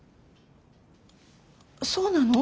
そうなの？